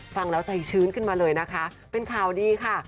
ฟังแล้วใจชื้นขึ้นมาเลยนะคะเป็นข่าวดีค่ะ